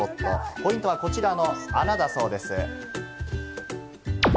ポイントはこちらの穴だそうです。